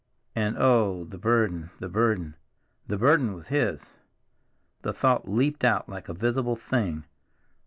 And oh, the burden, the burden, the burden was his! The thought leaped out like a visible thing.